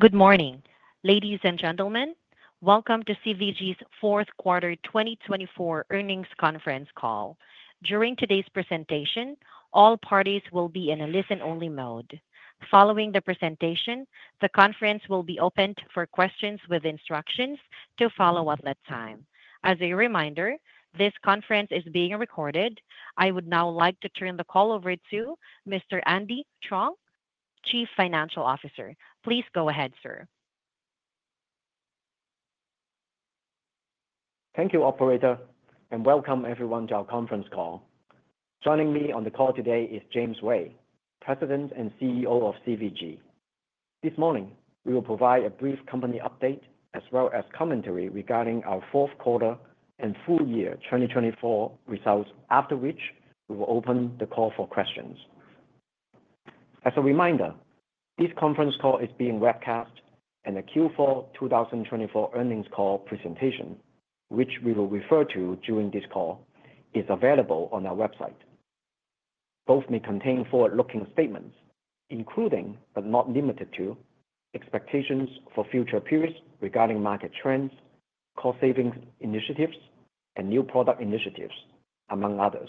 Good morning, ladies and gentlemen. Welcome to CVG's Q4 2024 earnings conference call. During today's presentation, all parties will be in a listen-only mode. Following the presentation, the conference will be open for questions with instructions to follow at that time. As a reminder, this conference is being recorded. I would now like to turn the call over to Mr. Andy Cheung, Chief Financial Officer. Please go ahead, sir. Thank you, Operator, and welcome everyone to our conference call. Joining me on the call today is James Ray, President and CEO of CVG. This morning, we will provide a brief company update as well as commentary regarding our Q4 and full year 2024 results, after which we will open the call for questions. As a reminder, this conference call is being webcast, and the Q4 2024 earnings call presentation, which we will refer to during this call, is available on our website. Both may contain forward-looking statements, including but not limited to expectations for future periods regarding market trends, cost-saving initiatives, and new product initiatives, among others.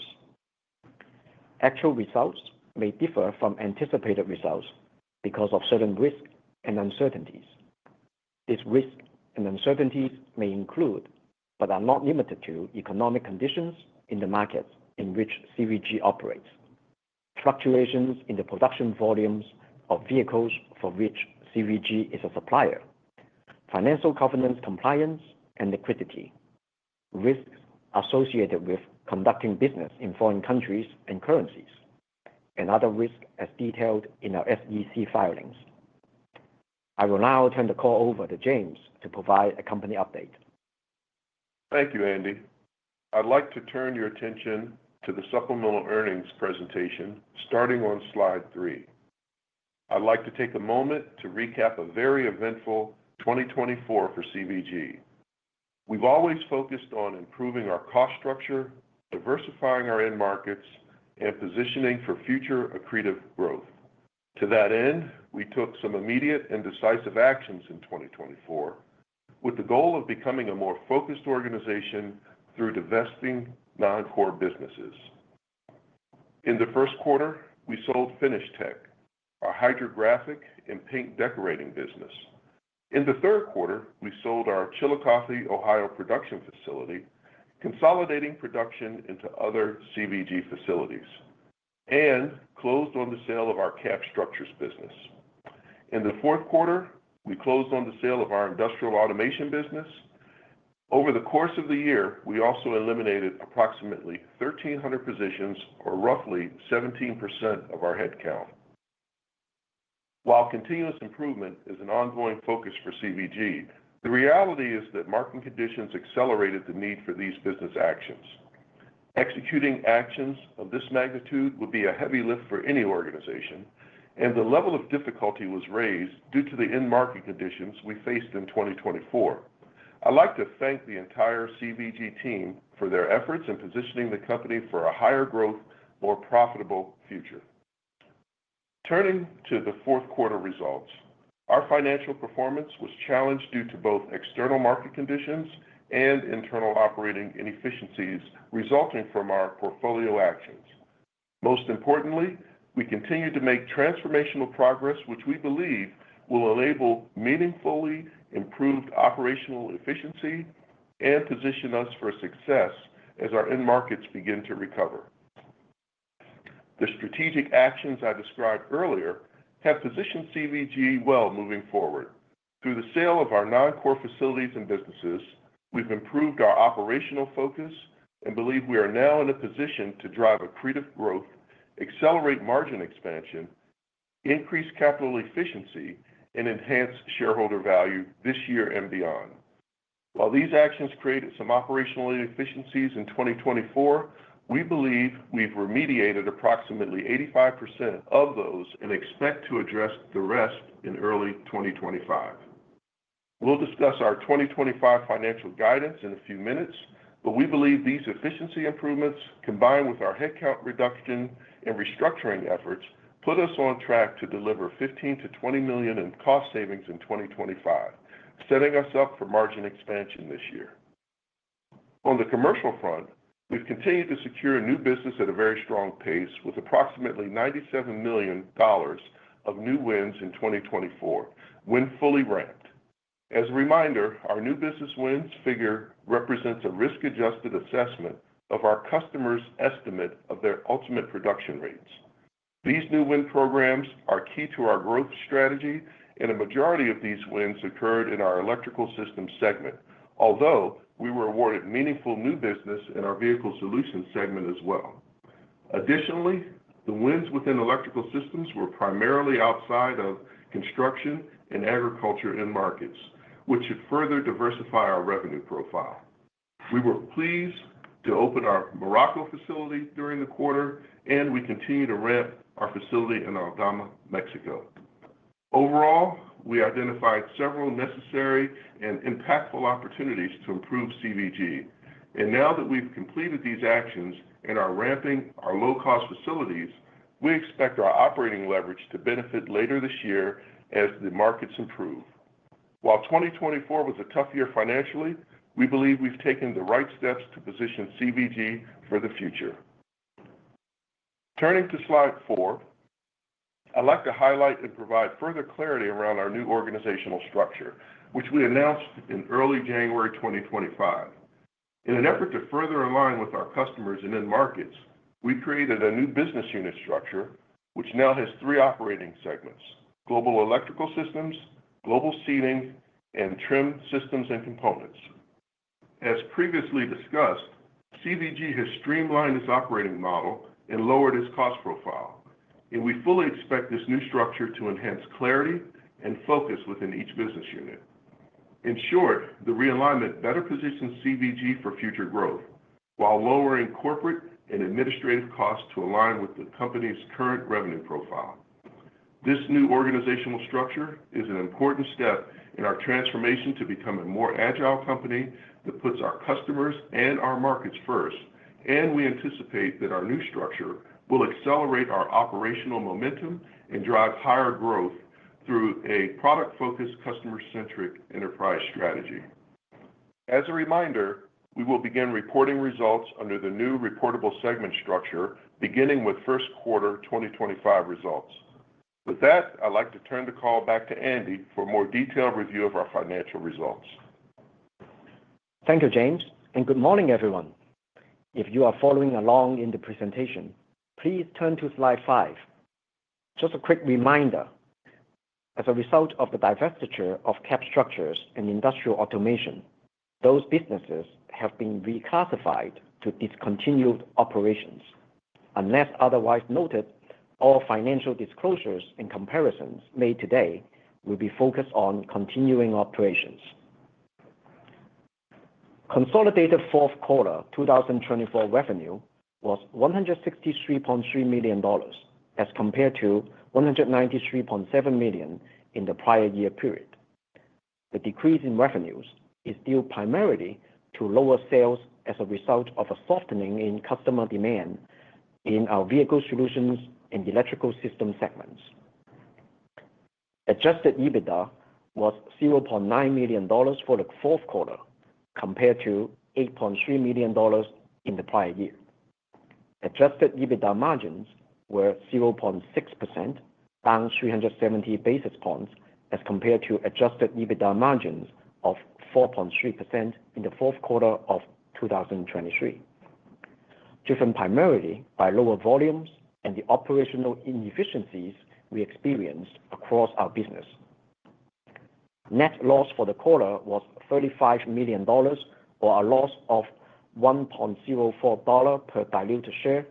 Actual results may differ from anticipated results because of certain risks and uncertainties. These risks and uncertainties may include but are not limited to economic conditions in the markets in which CVG operates, fluctuations in the production volumes of vehicles for which CVG is a supplier, financial governance compliance and liquidity, risks associated with conducting business in foreign countries and currencies, and other risks as detailed in our SEC filings. I will now turn the call over to James to provide a company update. Thank you, Andy. I'd like to turn your attention to the supplemental earnings presentation starting on Slide 3. I'd like to take a moment to recap a very eventful 2024 for CVG. We've always focused on improving our cost structure, diversifying our end markets, and positioning for future accretive growth. To that end, we took some immediate and decisive actions in 2024 with the goal of becoming a more focused organization through divesting non-core businesses. In Q1, we sold FinishTek, our hydrographic and paint decorating business. In Q3, we sold our Chillicothe, Ohio, production facility, consolidating production into other CVG facilities, and closed on the sale of our Cab Structures business. In Q4, we closed on the sale of our Industrial Automation business. Over the course of the year, we also eliminated approximately 1,300 positions, or roughly 17% of our headcount. While continuous improvement is an ongoing focus for CVG, the reality is that market conditions accelerated the need for these business actions. Executing actions of this magnitude would be a heavy lift for any organization, and the level of difficulty was raised due to the end market conditions we faced in 2024. I'd like to thank the entire CVG team for their efforts in positioning the company for a higher growth, more profitable future. Turning to Q4 results, our financial performance was challenged due to both external market conditions and internal operating inefficiencies resulting from our portfolio actions. Most importantly, we continue to make transformational progress, which we believe will enable meaningfully improved operational efficiency and position us for success as our end markets begin to recover. The strategic actions I described earlier have positioned CVG well moving forward. Through the sale of our non-core facilities and businesses, we've improved our operational focus and believe we are now in a position to drive accretive growth, accelerate margin expansion, increase capital efficiency, and enhance shareholder value this year and beyond. While these actions created some operational inefficiencies in 2024, we believe we've remediated approximately 85% of those and expect to address the rest in early 2025. We'll discuss our 2025 financial guidance in a few minutes, but we believe these efficiency improvements, combined with our headcount reduction and restructuring efforts, put us on track to deliver $15 million-$20 million in cost savings in 2025, setting us up for margin expansion this year. On the commercial front, we've continued to secure new business at a very strong pace with approximately $97 million of new wins in 2024, when fully ramped. As a reminder, our new business wins figure represents a risk-adjusted assessment of our customers' estimate of their ultimate production rates. These new win programs are key to our growth strategy, and a majority of these wins occurred in our Electrical Systems segment, although we were awarded meaningful new business in our Vehicle Solutions segment as well. Additionally, the wins within Electrical Systems were primarily outside of construction and agriculture end markets, which should further diversify our revenue profile. We were pleased to open our Morocco facility during the quarter, and we continue to ramp our facility in Aldama, Mexico. Overall, we identified several necessary and impactful opportunities to improve CVG. Now that we have completed these actions and are ramping our low-cost facilities, we expect our operating leverage to benefit later this year as the markets improve. While 2024 was a tough year financially, we believe we've taken the right steps to position CVG for the future. Turning to slide four, I'd like to highlight and provide further clarity around our new organizational structure, which we announced in early January 2025. In an effort to further align with our customers and end markets, we created a new business unit structure, which now has three operating Global Electrical Systems, Global Seating, and Trim Systems and Components. As previously discussed, CVG has streamlined its operating model and lowered its cost profile, and we fully expect this new structure to enhance clarity and focus within each business unit. In short, the realignment better positions CVG for future growth while lowering corporate and administrative costs to align with the company's current revenue profile. This new organizational structure is an important step in our transformation to become a more agile company that puts our customers and our markets first, and we anticipate that our new structure will accelerate our operational momentum and drive higher growth through a product-focused, customer-centric enterprise strategy. As a reminder, we will begin reporting results under the new reportable segment structure, beginning with Q1 2025 results. With that, I'd like to turn the call back to Andy for a more detailed review of our financial results. Thank you, James, and good morning, everyone. If you are following along in the presentation, please turn to slide five. Just a quick reminder, as a result of the divestiture of Cab Structures and Industrial Automation, those businesses have been reclassified to discontinued operations. Unless otherwise noted, all financial disclosures and comparisons made today will be focused on continuing operations. Consolidated Q4 2024 revenue was $163.3 million as compared to $193.7 million in the prior year period. The decrease in revenues is due primarily to lower sales as a result of a softening in customer demand in our Vehicle Solutions and Electrical Systems segments. Adjusted EBITDA was $0.9 million for Q4 compared to $8.3 million in the prior year. Adjusted EBITDA margins were 0.6%, down 370 basis points as compared to adjusted EBITDA margins of 4.3% in Q4 of 2023, driven primarily by lower volumes and the operational inefficiencies we experienced across our business. Net loss for the quarter was $35 million, or a loss of $1.04 per diluted share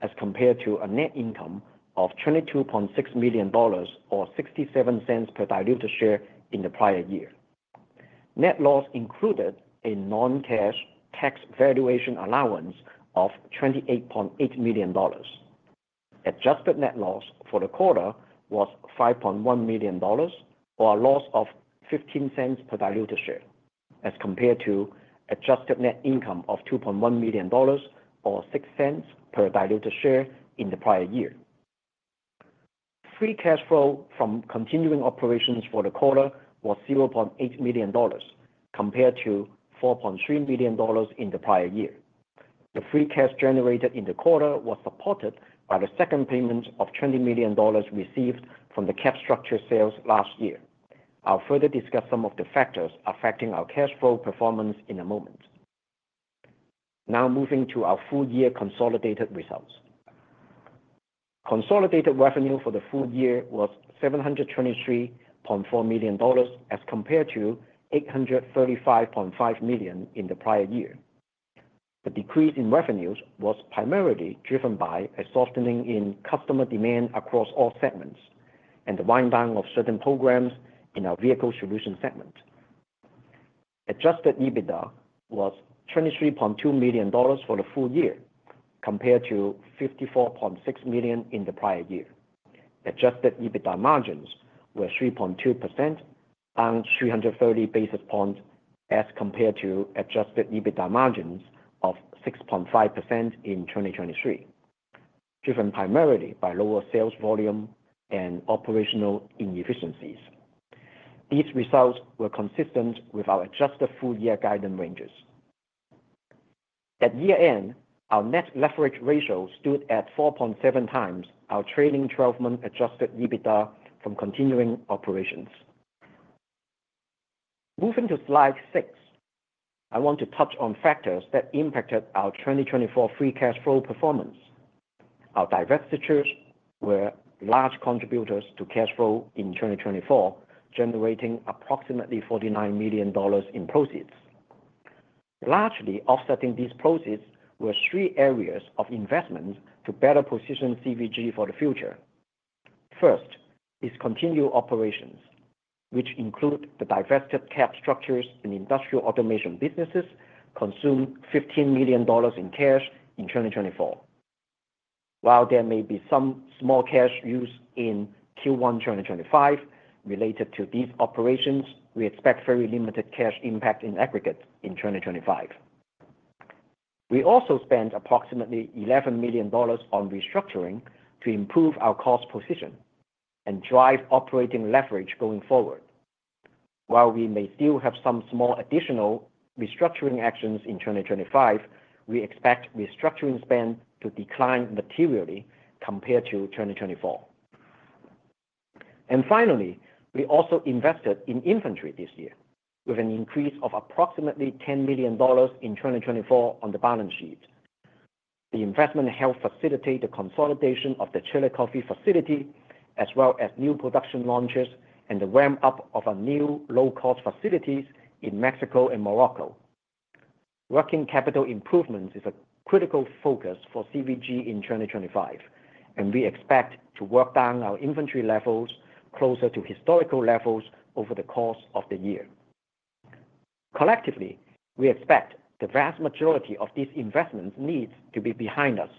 as compared to a net income of $22.6 million or $0.67 per diluted share in the prior year. Net loss included a non-cash tax valuation allowance of $28.8 million. Adjusted net loss for the quarter was $5.1 million, or a loss of $0.15 per diluted share as compared to adjusted net income of $2.1 million or $0.06 per diluted share in the prior year. Free cash flow from continuing operations for the quarter was $0.8 million compared to $4.3 million in the prior year. The free cash generated in the quarter was supported by the second payment of $20 million received from the Cab Structure sales last year. I'll further discuss some of the factors affecting our cash flow performance in a moment. Now moving to our full year consolidated results. Consolidated revenue for the full year was $723.4 million as compared to $835.5 million in the prior year. The decrease in revenues was primarily driven by a softening in customer demand across all segments and the wind down of certain programs in our Vehicle Solutions segment. Adjusted EBITDA was $23.2 million for the full year compared to $54.6 million in the prior year. Adjusted EBITDA margins were 3.2%, down 330 basis points as compared to adjusted EBITDA margins of 6.5% in 2023, driven primarily by lower sales volume and operational inefficiencies. These results were consistent with our adjusted full year guidance ranges. At year end, our net leverage ratio stood at 4.7 times our trailing 12-month adjusted EBITDA from continuing operations. Moving to slide six, I want to touch on factors that impacted our 2024 free cash flow performance. Our divestitures were large contributors to cash flow in 2024, generating approximately $49 million in proceeds. Largely offsetting these proceeds were three areas of investment to better position CVG for the future. First is continued operations, which include the divested Cab Structures and Industrial Automation businesses that consumed $15 million in cash in 2024. While there may be some small cash use in Q1 2025 related to these operations, we expect very limited cash impact in aggregate in 2025. We also spent approximately $11 million on restructuring to improve our cost position and drive operating leverage going forward. While we may still have some small additional restructuring actions in 2025, we expect restructuring spend to decline materially compared to 2024. Finally, we also invested in inventory this year with an increase of approximately $10 million in 2024 on the balance sheet. The investment helped facilitate the consolidation of the Chillicothe facility as well as new production launches and the ramp up of our new low-cost facilities in Mexico and Morocco. Working capital improvements is a critical focus for CVG in 2025, and we expect to work down our inventory levels closer to historical levels over the course of the year. Collectively, we expect the vast majority of these investments needs to be behind us,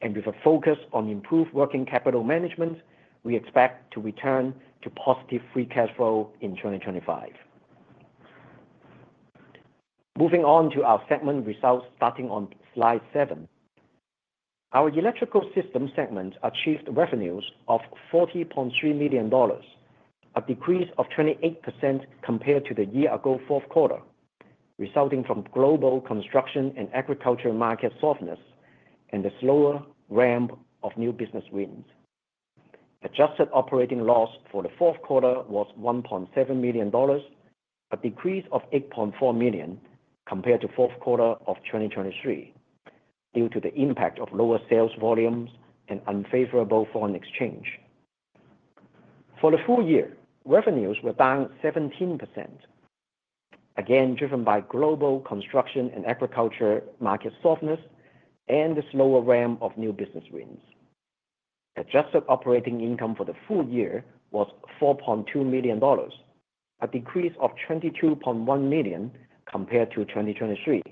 and with a focus on improved working capital management, we expect to return to positive free cash flow in 2025. Moving on to our segment results starting on slide seven, our Electrical Systems segment achieved revenues of $40.3 million, a decrease of 28% compared to the year ago Q4, resulting from global construction and agriculture market softness and the slower ramp of new business wins. Adjusted operating loss for Q4 was $1.7 million, a decrease of $8.4 million compared to Q4 of 2023 due to the impact of lower sales volumes and unfavorable foreign exchange. For the full year, revenues were down 17%, again driven by global construction and agriculture market softness and the slower ramp of new business wins. Adjusted operating income for the full year was $4.2 million, a decrease of $22.1 million compared to 2023,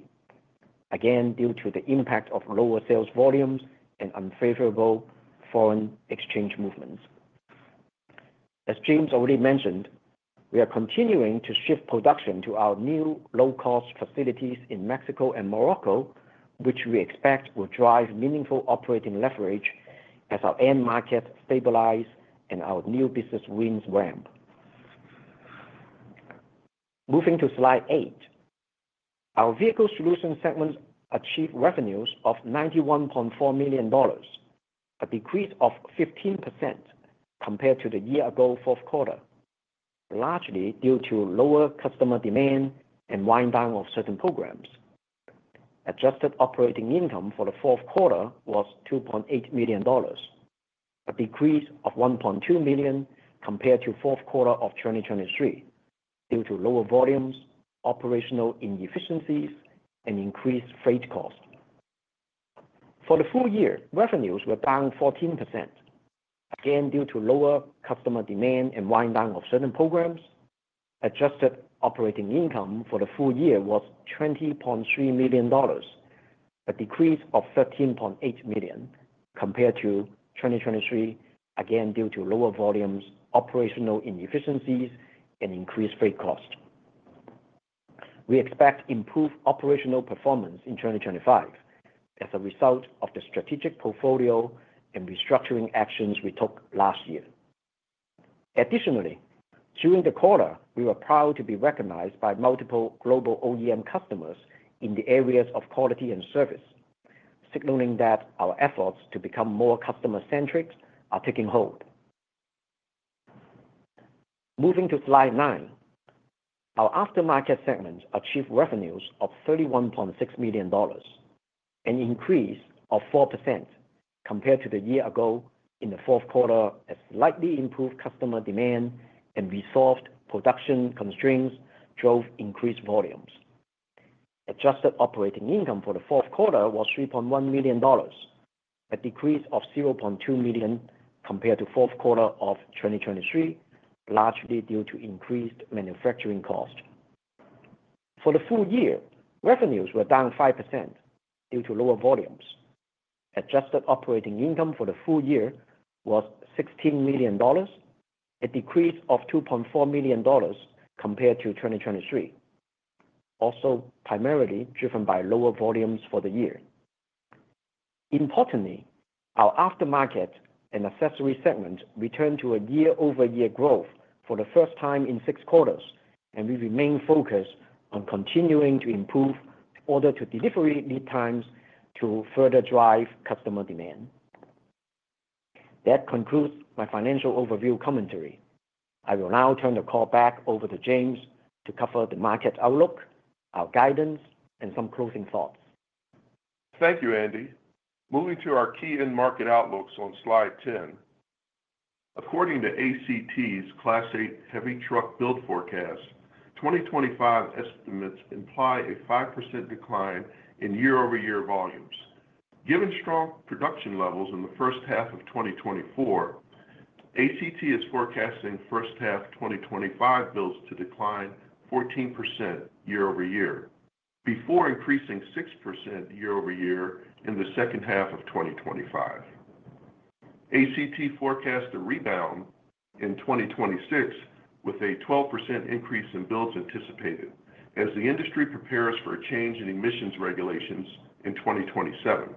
again due to the impact of lower sales volumes and unfavorable foreign exchange movements. As James already mentioned, we are continuing to shift production to our new low-cost facilities in Mexico and Morocco, which we expect will drive meaningful operating leverage as our end market stabilizes and our new business wins ramp. Moving to Slide 8, our Vehicle Solutions segment achieved revenues of $91.4 million, a decrease of 15% compared to the year ago Q4, largely due to lower customer demand and wind down of certain programs. Adjusted operating income for Q4 was $2.8 million, a decrease of $1.2 million compared to Q4 of 2023 due to lower volumes, operational inefficiencies, and increased freight costs. For the full year, revenues were down 14%, again due to lower customer demand and wind down of certain programs. Adjusted operating income for the full year was $20.3 million, a decrease of $13.8 million compared to 2023, again due to lower volumes, operational inefficiencies, and increased freight costs. We expect improved operational performance in 2025 as a result of the strategic portfolio and restructuring actions we took last year. Additionally, during the quarter, we were proud to be recognized by multiple global OEM customers in the areas of quality and service, signaling that our efforts to become more customer-centric are taking hold. Moving to Slide 9, our Aftermarket segment achieved revenues of $31.6 million and an increase of 4% compared to the year ago in Q4 as slightly improved customer demand and resolved production constraints drove increased volumes. Adjusted operating income for Q4 was $3.1 million, a decrease of $0.2 million compared to Q4 of 2023, largely due to increased manufacturing costs. For the full year, revenues were down 5% due to lower volumes. Adjusted operating income for the full year was $16 million, a decrease of $2.4 million compared to 2023, also primarily driven by lower volumes for the year. Importantly, our Aftermarket and accessory segments returned to a year-over-year growth for the first time in six quarters, and we remain focused on continuing to improve in order to delivery lead times to further drive customer demand. That concludes my financial overview commentary. I will now turn the call back over to James to cover the market outlook, our guidance, and some closing thoughts. Thank you, Andy. Moving to our key end market outlooks on Slide 10. According to ACT's Class 8 Heavy Truck Build Forecast, 2025 estimates imply a 5% decline in year-over-year volumes. Given strong production levels in the first half of 2024, ACT is forecasting first half 2025 builds to decline 14% year-over-year before increasing 6% year-over-year in the second half of 2025. ACT forecasts a rebound in 2026 with a 12% increase in builds anticipated as the industry prepares for a change in emissions regulations in 2027.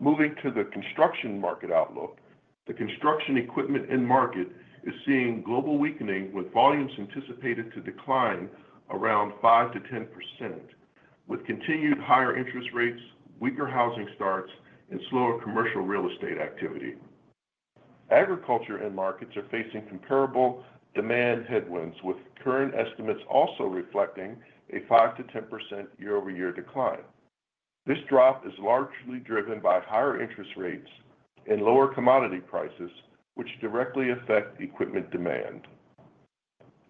Moving to the construction market outlook, the construction equipment end market is seeing global weakening with volumes anticipated to decline around 5%-10% with continued higher interest rates, weaker housing starts, and slower commercial real estate activity. Agriculture end markets are facing comparable demand headwinds, with current estimates also reflecting a 5%-10% year-over-year decline. This drop is largely driven by higher interest rates and lower commodity prices, which directly affect equipment demand.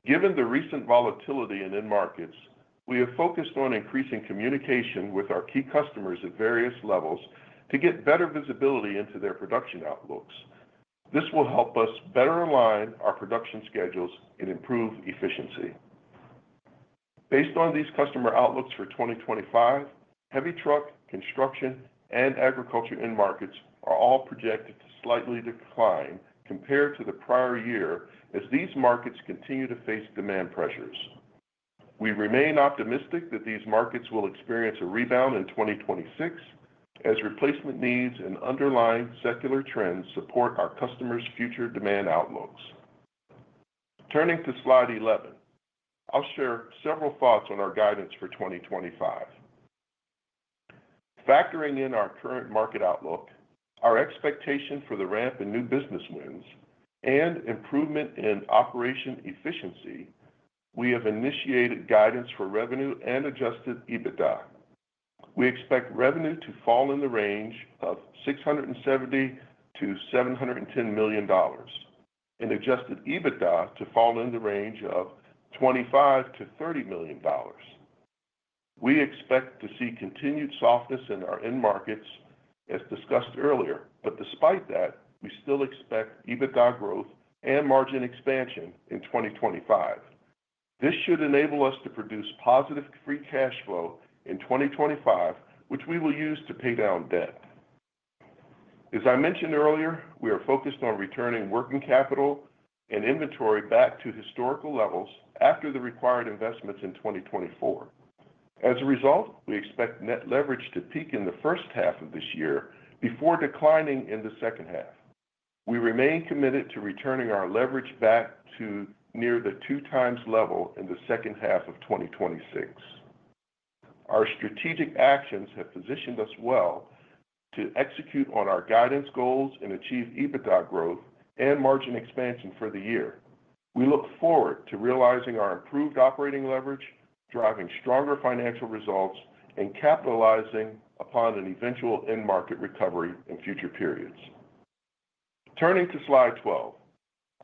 Given the recent volatility in end markets, we have focused on increasing communication with our key customers at various levels to get better visibility into their production outlooks. This will help us better align our production schedules and improve efficiency. Based on these customer outlooks for 2025, heavy truck, construction, and agriculture end markets are all projected to slightly decline compared to the prior year as these markets continue to face demand pressures. We remain optimistic that these markets will experience a rebound in 2026 as replacement needs and underlying secular trends support our customers' future demand outlooks. Turning to Slide 11, I'll share several thoughts on our guidance for 2025. Factoring in our current market outlook, our expectation for the ramp in new business wins, and improvement in operation efficiency, we have initiated guidance for revenue and adjusted EBITDA. We expect revenue to fall in the range of $670 million-$710 million and adjusted EBITDA to fall in the range of $25 million-$30 million. We expect to see continued softness in our end markets as discussed earlier, but despite that, we still expect EBITDA growth and margin expansion in 2025. This should enable us to produce positive free cash flow in 2025, which we will use to pay down debt. As I mentioned earlier, we are focused on returning working capital and inventory back to historical levels after the required investments in 2024. As a result, we expect net leverage to peak in the first half of this year before declining in the second half. We remain committed to returning our leverage back to near the two-times level in the second half of 2026. Our strategic actions have positioned us well to execute on our guidance goals and achieve EBITDA growth and margin expansion for the year. We look forward to realizing our improved operating leverage, driving stronger financial results, and capitalizing upon an eventual end market recovery in future periods. Turning to Slide 12,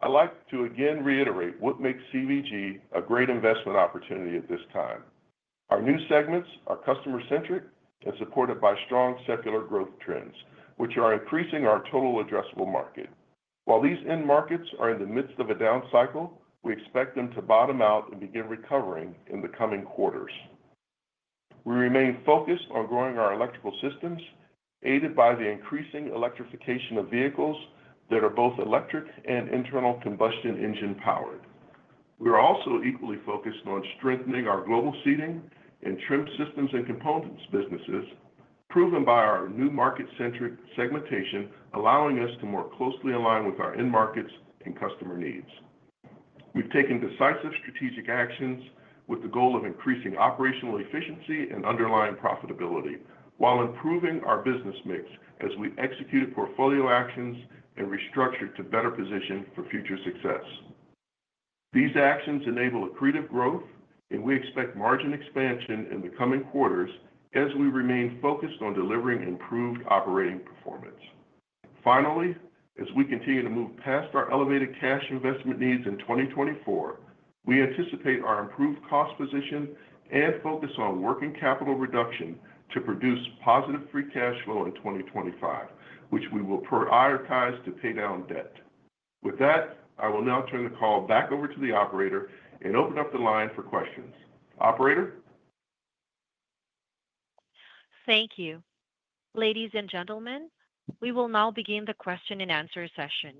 I'd like to again reiterate what makes CVG a great investment opportunity at this time. Our new segments are customer-centric and supported by strong secular growth trends, which are increasing our total addressable market. While these end markets are in the midst of a down cycle, we expect them to bottom out and begin recovering in the coming quarters. We remain focused on growing our Electrical Systems, aided by the increasing electrification of vehicles that are both electric and internal combustion engine powered. We are also equally focused on strengthening our Global Seating and Trim Systems and Components businesses, proven by our new market-centric segmentation, allowing us to more closely align with our end markets and customer needs. We've taken decisive strategic actions with the goal of increasing operational efficiency and underlying profitability while improving our business mix as we execute portfolio actions and restructure to better position for future success. These actions enable accretive growth, and we expect margin expansion in the coming quarters as we remain focused on delivering improved operating performance. Finally, as we continue to move past our elevated cash investment needs in 2024, we anticipate our improved cost position and focus on working capital reduction to produce positive free cash flow in 2025, which we will prioritize to pay down debt. With that, I will now turn the call back over to the operator and open up the line for questions. Operator? Thank you. Ladies and gentlemen, we will now begin the question and answer session.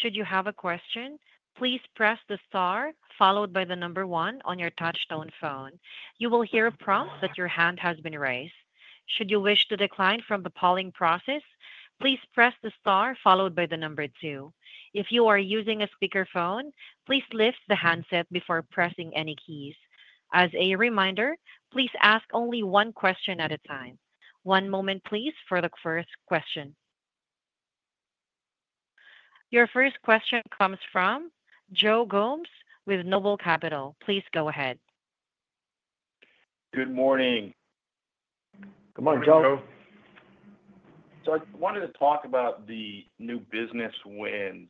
Should you have a question, please press the star followed by the number one on your touch-tone phone. You will hear a prompt that your hand has been raised. Should you wish to decline from the polling process, please press the star followed by the number two. If you are using a speakerphone, please lift the handset before pressing any keys. As a reminder, please ask only one question at a time. One moment, please, for the first question. Your first question comes from Joe Gomes with Noble Capital. Please go ahead. Good morning. Good morning, Joe. Hello. I wanted to talk about the new business wins.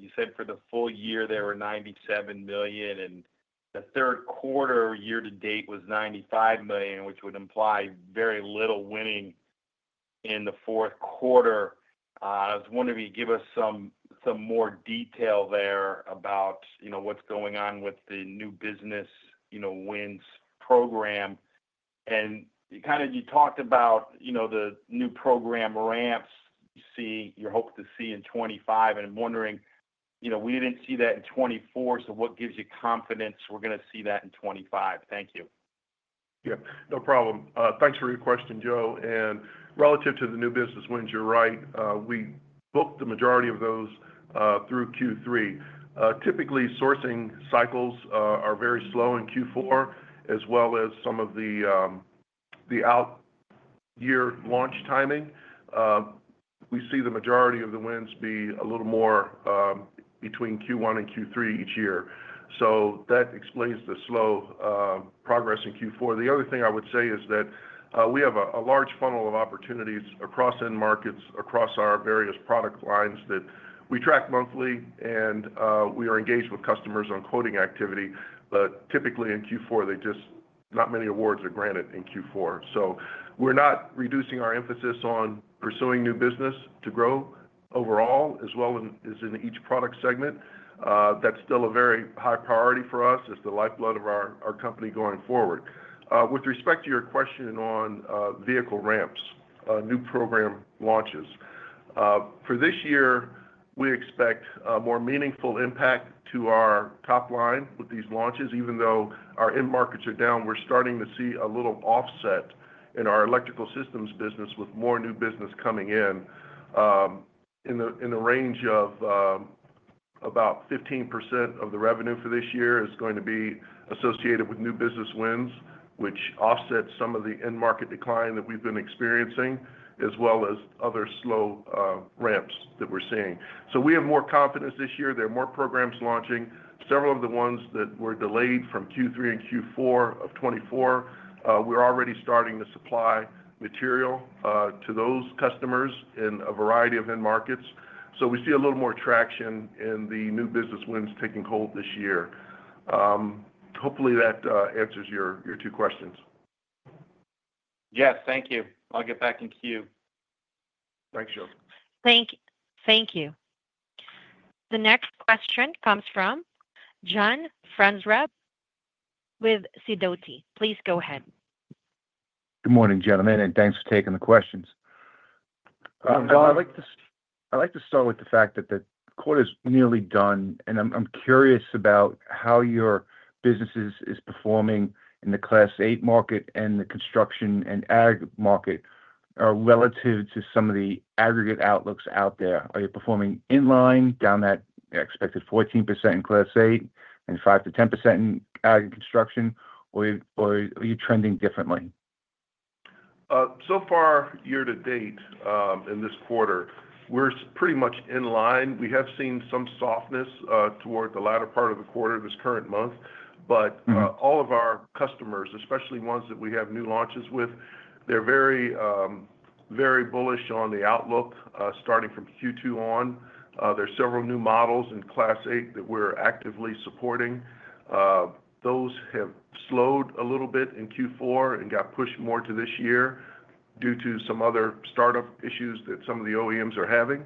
You said for the full year there were $97 million, and Q3 year-to-date was $95 million, which would imply very little winning in Q4. I was wondering if you could give us some more detail there about what is going on with the new business wins program. You talked about the new program ramps you hope to see in 2025. I am wondering, we did not see that in 2024, so what gives you confidence we are going to see that in 2025? Thank you. Yeah, no problem. Thanks for your question, Joe. Relative to the new business wins, you're right, we booked the majority of those through Q3. Typically, sourcing cycles are very slow in Q4, as well as some of the out-year launch timing. We see the majority of the wins be a little more between Q1 and Q3 each year. That explains the slow progress in Q4. The other thing I would say is that we have a large funnel of opportunities across end markets, across our various product lines that we track monthly, and we are engaged with customers on quoting activity. Typically in Q4, not many awards are granted in Q4. We're not reducing our emphasis on pursuing new business to grow overall, as well as in each product segment. That's still a very high priority for us as the lifeblood of our company going forward. With respect to your question on vehicle ramps, new program launches. For this year, we expect a more meaningful impact to our top line with these launches. Even though our end markets are down, we're starting to see a little offset in our Electrical Systems business with more new business coming in. In the range of about 15% of the revenue for this year is going to be associated with new business wins, which offsets some of the end market decline that we've been experiencing, as well as other slow ramps that we're seeing. We have more confidence this year. There are more programs launching. Several of the ones that were delayed from Q3 and Q4 of 2024, we're already starting to supply material to those customers in a variety of end markets. We see a little more traction in the new business wins taking hold this year. Hopefully, that answers your two questions. Yes, thank you. I'll get back in queue. Thanks, Joe. Thank you. The next question comes from John Franzreb with Sidoti. Please go ahead. Good morning, gentlemen, and thanks for taking the questions. I'd like to start with the fact that the quarter's nearly done, and I'm curious about how your business is performing in the Class 8 market and the construction and ag market relative to some of the aggregate outlooks out there. Are you performing in line down that expected 14% in Class 8 and 5%-10% in ag and construction, or are you trending differently? So far, year-to-date in this quarter, we're pretty much in line. We have seen some softness toward the latter part of the quarter this current month, but all of our customers, especially ones that we have new launches with, they're very bullish on the outlook starting from Q2 on. There are several new models in Class 8 that we're actively supporting. Those have slowed a little bit in Q4 and got pushed more to this year due to some other startup issues that some of the OEMs are having.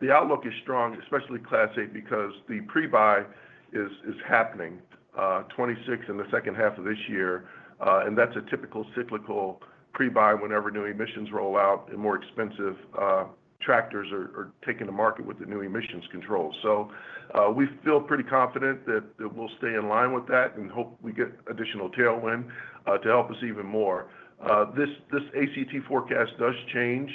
The outlook is strong, especially Class 8, because the pre-buy is happening 2026 in the second half of this year. That's a typical cyclical pre-buy whenever new emissions roll out and more expensive tractors are taken to market with the new emissions control. We feel pretty confident that we'll stay in line with that and hope we get additional tailwind to help us even more. This ACT forecast does change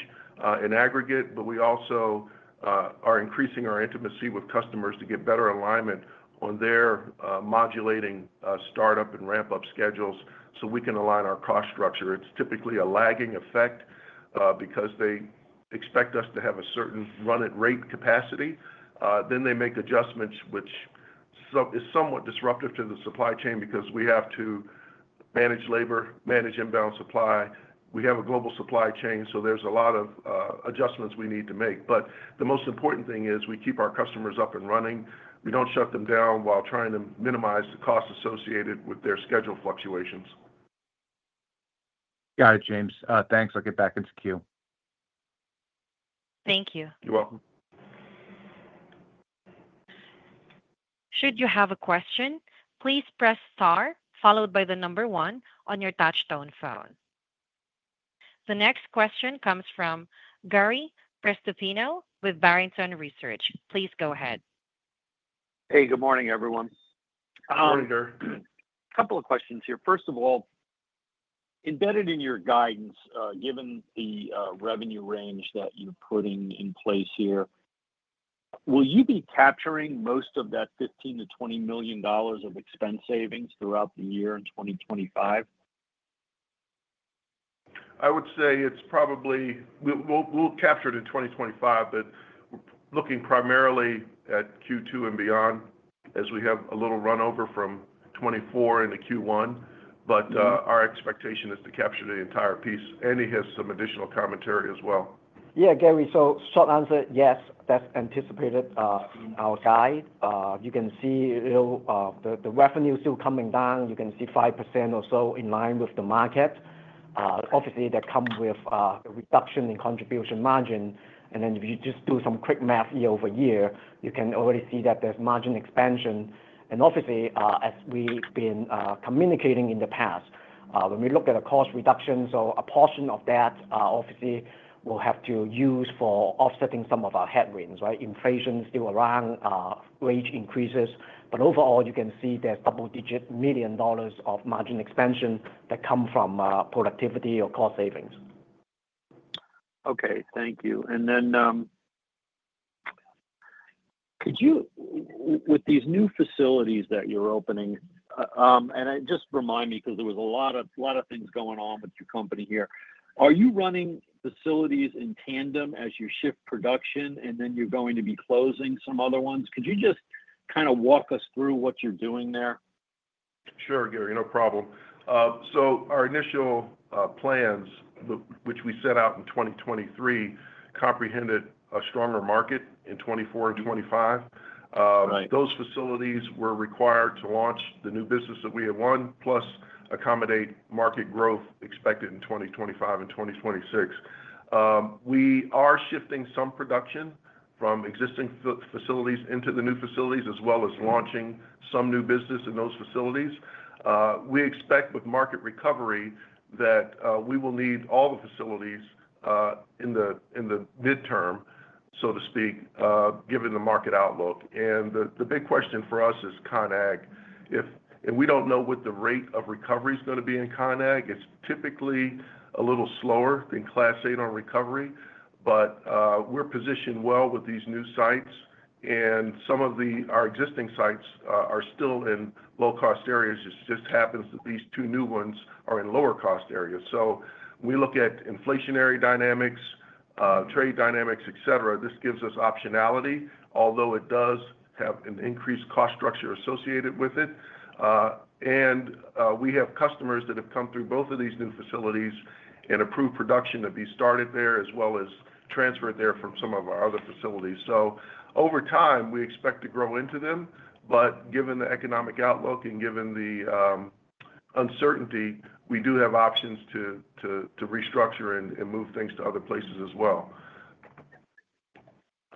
in aggregate, but we also are increasing our intimacy with customers to get better alignment on their modulating startup and ramp-up schedules so we can align our cost structure. It's typically a lagging effect because they expect us to have a certain run-it-rate capacity. They make adjustments, which is somewhat disruptive to the supply chain because we have to manage labor, manage inbound supply. We have a global supply chain, so there's a lot of adjustments we need to make. The most important thing is we keep our customers up and running. We don't shut them down while trying to minimize the cost associated with their schedule fluctuations. Got it, James. Thanks. I'll get back into queue. Thank you. You're welcome. Should you have a question, please press star followed by the number one on your touchstone phone. The next question comes from Gary Prestopino with Barrington Research. Please go ahead. Hey, good morning, everyone. Good morning, Joe. A couple of questions here. First of all, embedded in your guidance, given the revenue range that you're putting in place here, will you be capturing most of that $15 to 20 million of expense savings throughout the year in 2025? I would say it's probably we'll capture it in 2025, but we're looking primarily at Q2 and beyond as we have a little runover from 2024 into Q1. Our expectation is to capture the entire piece. Andy has some additional commentary as well. Yeah, Gary, short answer, yes, that's anticipated in our guide. You can see the revenue is still coming down. You can see 5% or so in line with the market. Obviously, that comes with a reduction in contribution margin. If you just do some quick math year-over-year, you can already see that there's margin expansion. Obviously, as we've been communicating in the past, when we look at a cost reduction, a portion of that, obviously, we'll have to use for offsetting some of our headwinds, right? Inflation is still around, wage increases. Overall, you can see there's double-digit million dollars of margin expansion that comes from productivity or cost savings. Okay, thank you. With these new facilities that you're opening, and just remind me because there was a lot of things going on with your company here. Are you running facilities in tandem as you shift production, and then you're going to be closing some other ones? Could you just kind of walk us through what you're doing there? Sure, Gary, no problem. Our initial plans, which we set out in 2023, comprehended a stronger market in 2024 and 2025. Those facilities were required to launch the new business that we have won, plus accommodate market growth expected in 2025 and 2026. We are shifting some production from existing facilities into the new facilities, as well as launching some new business in those facilities. We expect with market recovery that we will need all the facilities in the midterm, so to speak, given the market outlook. The big question for us is ConAg. We do not know what the rate of recovery is going to be in ConAg. It is typically a little slower than Class 8 on recovery. We are positioned well with these new sites. Some of our existing sites are still in low-cost areas. It just happens that these two new ones are in lower-cost areas. When we look at inflationary dynamics, trade dynamics, etc., this gives us optionality, although it does have an increased cost structure associated with it. We have customers that have come through both of these new facilities and approved production to be started there, as well as transferred there from some of our other facilities. Over time, we expect to grow into them. Given the economic outlook and given the uncertainty, we do have options to restructure and move things to other places as well.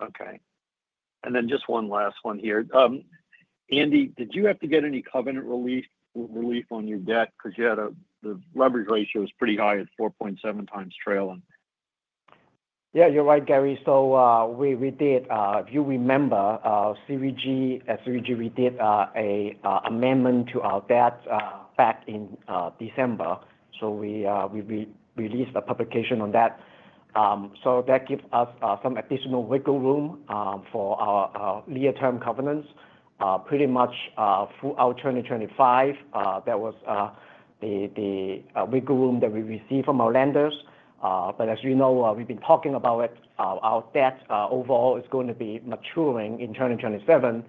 Okay. Just one last one here. Andy, did you have to get any covenant relief on your debt because the leverage ratio was pretty high at 4.7 times trailing? Yeah, you're right, Gary. We did, if you remember, CVG, we did an amendment to our debt back in December. We released a publication on that. That gives us some additional wiggle room for our near-term covenants, pretty much full out 2025. That was the wiggle room that we received from our lenders. As you know, we've been talking about it. Our debt overall is going to be maturing in 2027.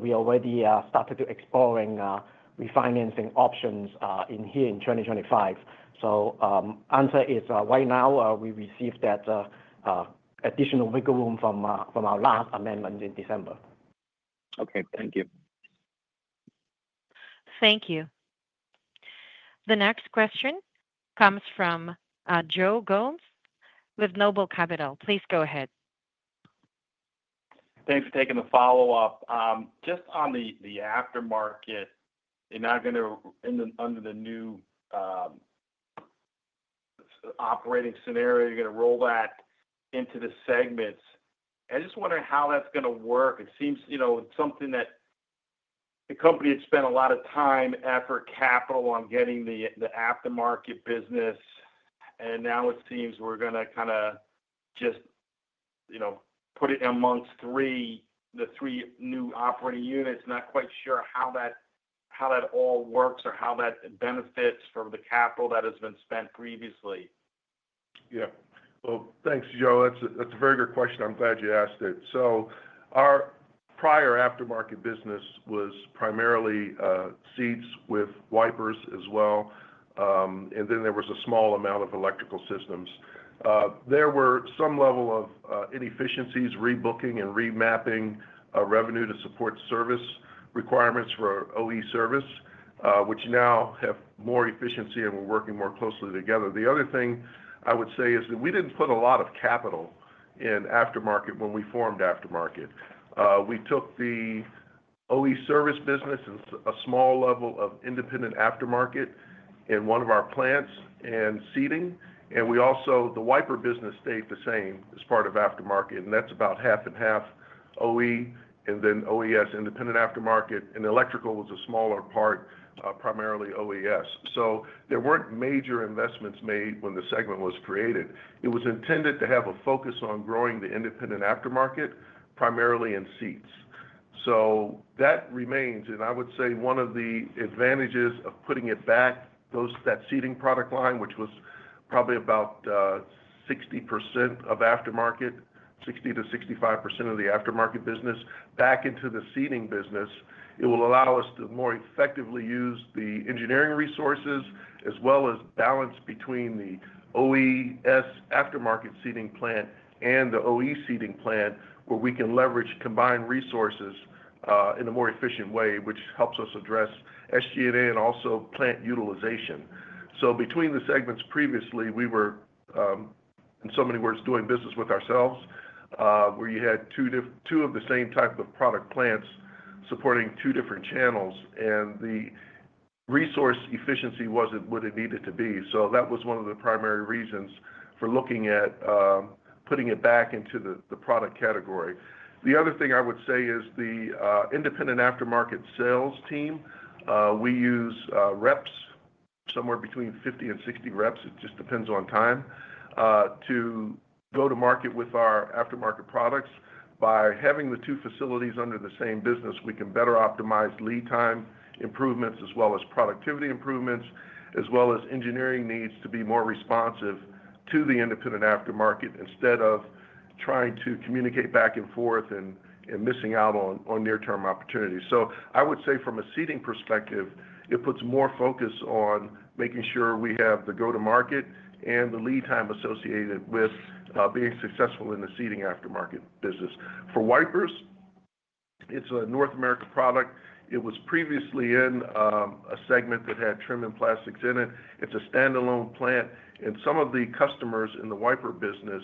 We already started exploring refinancing options in here in 2025. The answer is right now we received that additional wiggle room from our last amendment in December. Okay, thank you. Thank you. The next question comes from Joe Gomes with Noble Capital. Please go ahead. Thanks for taking the follow-up. Just on the Aftermarket, you're not going to, under the new operating scenario, you're going to roll that into the segments. I just wonder how that's going to work. It seems something that the company had spent a lot of time, effort, capital on getting the Aftermarket business. Now it seems we're going to kind of just put it amongst the three new operating units. Not quite sure how that all works or how that benefits from the capital that has been spent previously. Yeah. Thanks, Joe. That's a very good question. I'm glad you asked it. Our prior Aftermarket business was primarily seats with wipers as well. There was a small amount of Electrical Systems. There were some level of inefficiencies, rebooking and remapping revenue to support service requirements for OE service, which now have more efficiency and we're working more closely together. The other thing I would say is that we didn't put a lot of capital in Aftermarket when we formed Aftermarket. We took the OE service business and a small level of independent Aftermarket in one of our plants and seating. The wiper business stayed the same as part of Aftermarket. That's about half and half OE, and then OES, independent Aftermarket. Electrical was a smaller part, primarily OES. There weren't major investments made when the segment was created. It was intended to have a focus on growing the independent Aftermarket, primarily in seats. That remains. I would say one of the advantages of putting it back, that seating product line, which was probably about 60%-65% of the Aftermarket business, back into the seating business, is it will allow us to more effectively use the engineering resources as well as balance between the OES Aftermarket seating plant and the OE seating plant, where we can leverage combined resources in a more efficient way, which helps us address SG&A and also plant utilization. Between the segments previously, we were, in so many words, doing business with ourselves, where you had two of the same type of product plants supporting two different channels. The resource efficiency was not what it needed to be. That was one of the primary reasons for looking at putting it back into the product category. The other thing I would say is the independent Aftermarket sales team. We use reps, somewhere between 50 and 60 reps. It just depends on time, to go to market with our Aftermarket products. By having the two facilities under the same business, we can better optimize lead time improvements as well as productivity improvements, as well as engineering needs to be more responsive to the independent Aftermarket instead of trying to communicate back and forth and missing out on near-term opportunities. I would say from a seating perspective, it puts more focus on making sure we have the go-to-market and the lead time associated with being successful in the seating Aftermarket business. For wipers, it's a North America product. It was previously in a segment that had trim and plastics in it. It is a standalone plant. Some of the customers in the wiper business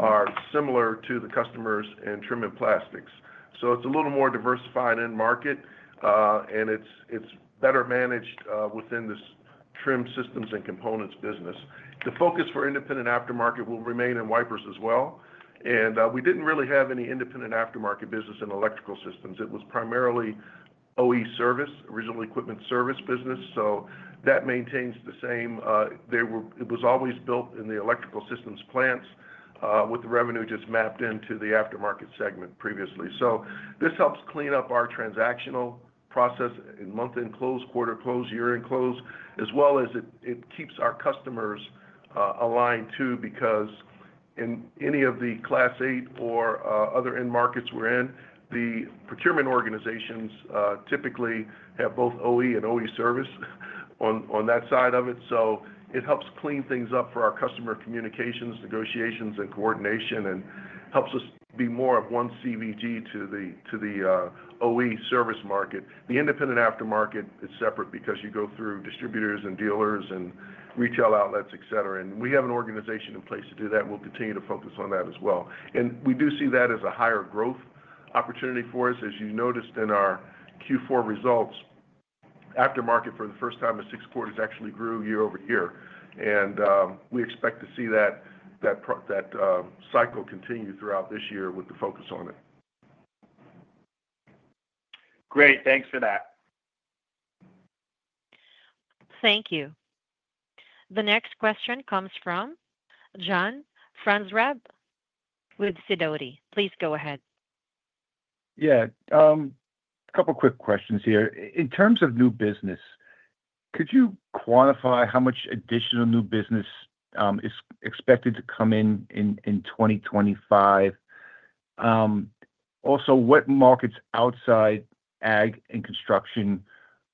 are similar to the customers in trim and plastics. It is a little more diversified in market, and it is better managed within this Trim Systems and Components business. The focus for independent Aftermarket will remain in wipers as well. We did not really have any independent Aftermarket business in Electrical Systems. It was primarily OE service, original equipment service business. That maintains the same. It was always built in the Electrical Systems plants with the revenue just mapped into the Aftermarket segment previously. This helps clean up our transactional process in month-end close, quarter close, year-end close, as well as it keeps our customers aligned too because in any of the Class 8 or other end markets we're in, the procurement organizations typically have both OE and OE service on that side of it. It helps clean things up for our customer communications, negotiations, and coordination, and helps us be more of one CVG to the OE service market. The independent aftermarket is separate because you go through distributors and dealers and retail outlets, etc. We have an organization in place to do that. We'll continue to focus on that as well. We do see that as a higher growth opportunity for us. As you noticed in our Q4 results, Aftermarket for the first time in six quarters actually grew year-over-year. We expect to see that cycle continue throughout this year with the focus on it. Great. Thanks for that. Thank you. The next question comes from John Franzreb with Sidoti. Please go ahead. Yeah. A couple of quick questions here. In terms of new business, could you quantify how much additional new business is expected to come in in 2025? Also, what markets outside ag and construction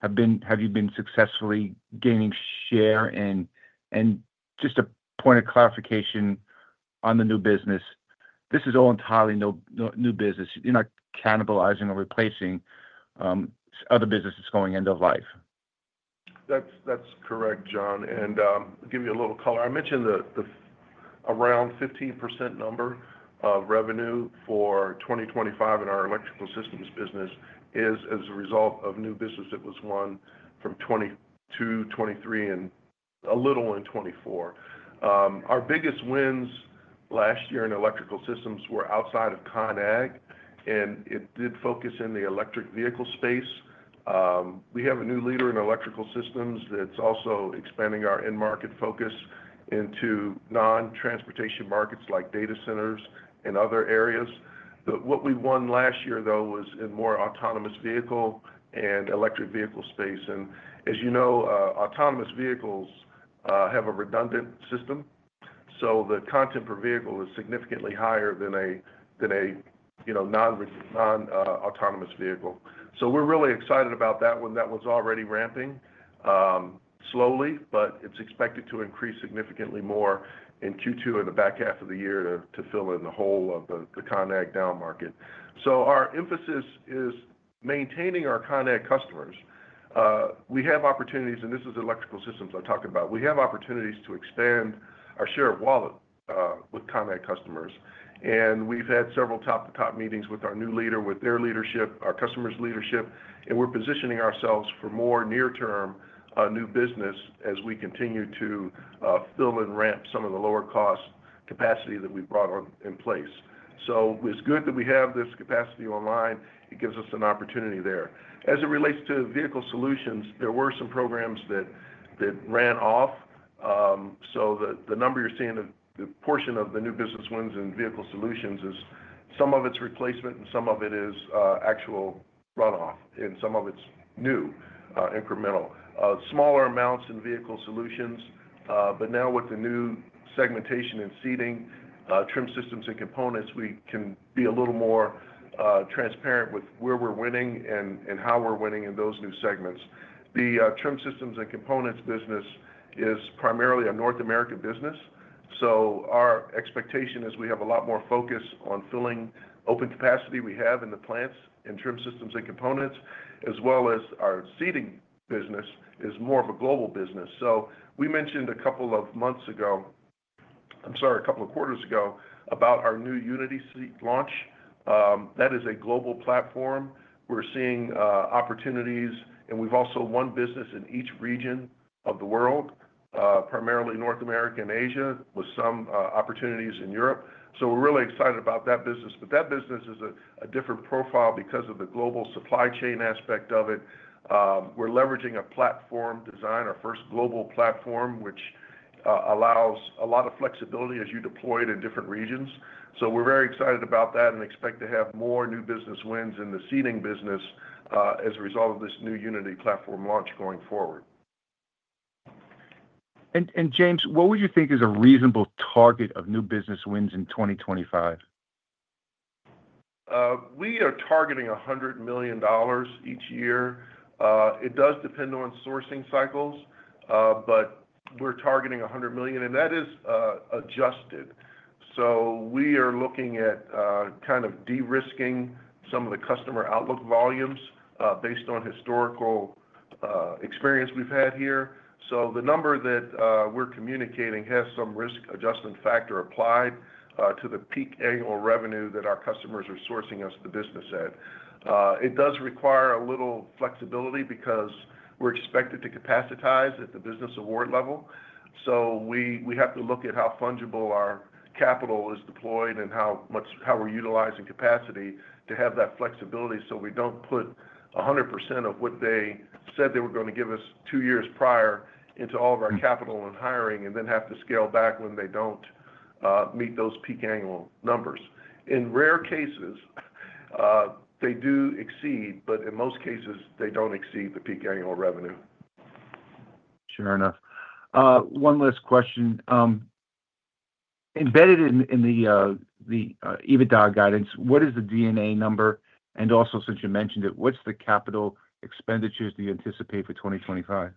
have you been successfully gaining share in? Just a point of clarification on the new business, this is all entirely new business. You're not cannibalizing or replacing other businesses going end of life. That's correct, John. To give you a little color, I mentioned around 15% number of revenue for 2025 in our Electrical Systems business is as a result of new business that was won from 2022, 2023, and a little in 2024. Our biggest wins last year in Electrical Systems were outside of ConAg, and it did focus in the electric vehicle space. We have a new leader in Electrical Systems that's also expanding our end market focus into non-transportation markets like data centers and other areas. What we won last year, though, was in more autonomous vehicle and electric vehicle space. As you know, autonomous vehicles have a redundant system. The content per vehicle is significantly higher than a non-autonomous vehicle. We're really excited about that one. That was already ramping slowly, but it's expected to increase significantly more in Q2 and the back half of the year to fill in the hole of the ConAg down market. Our emphasis is maintaining our ConAg customers. We have opportunities, and this is Electrical Systems I'm talking about. We have opportunities to expand our share of wallet with ConAg customers. We've had several top-to-top meetings with our new leader, with their leadership, our customers' leadership. We're positioning ourselves for more near-term new business as we continue to fill and ramp some of the lower-cost capacity that we brought in place. It's good that we have this capacity online. It gives us an opportunity there. As it relates to Vehicle Solutions, there were some programs that ran off. The number you're seeing, the portion of the new business wins in Vehicle Solutions is some of it's replacement, and some of it is actual runoff, and some of it's new incremental. Smaller amounts in Vehicle Solutions. Now with the new segmentation and seating, Trim Systems and Components, we can be a little more transparent with where we're winning and how we're winning in those new segments. The Trim Systems and Components business is primarily a North America business. Our expectation is we have a lot more focus on filling open capacity we have in the plants in Trim Systems and Components, as well as our seating business is more of a global business. We mentioned a couple of quarters ago about our new Unity Seat launch. That is a global platform. We're seeing opportunities, and we've also won business in each region of the world, primarily North America and Asia, with some opportunities in Europe. We are really excited about that business. That business is a different profile because of the global supply chain aspect of it. We are leveraging a platform design, our first global platform, which allows a lot of flexibility as you deploy it in different regions. We are very excited about that and expect to have more new business wins in the seating business as a result of this new Unity Seat platform launch going forward. James, what would you think is a reasonable target of new business wins in 2025? We are targeting $100 million each year. It does depend on sourcing cycles, but we're targeting $100 million, and that is adjusted. We are looking at kind of de-risking some of the customer outlook volumes based on historical experience we've had here. The number that we're communicating has some risk adjustment factor applied to the peak annual revenue that our customers are sourcing us the business at. It does require a little flexibility because we're expected to capacitize at the business award level. We have to look at how fungible our capital is deployed and how we're utilizing capacity to have that flexibility so we don't put 100% of what they said they were going to give us two years prior into all of our capital and hiring and then have to scale back when they don't meet those peak annual numbers. In rare cases, they do exceed, but in most cases, they don't exceed the peak annual revenue. Sure enough. One last question. Embedded in the EBITDA guidance, what is the D&A number? Also, since you mentioned it, what capital expenditures do you anticipate for 2025?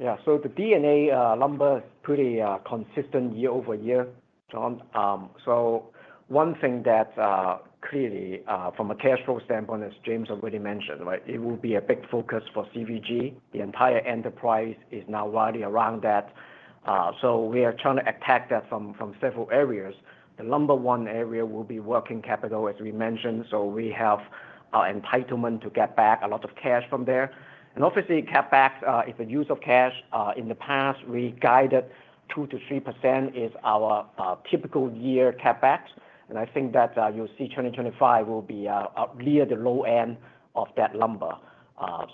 Yeah. So the D&A number is pretty consistent year-over-year, John. One thing that clearly, from a cash flow standpoint, as James already mentioned, it will be a big focus for CVG. The entire enterprise is now riding around that. We are trying to attack that from several areas. The number one area will be working capital, as we mentioned. We have our entitlement to get back a lot of cash from there. Obviously, CapEx is the use of cash. In the past, we guided 2%-3% is our typical year CapEx. I think that you'll see 2025 will be near the low end of that number.